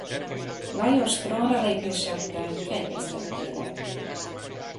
Lajos trónra lépése után kegyvesztetté lett.